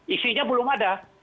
isinya belum ada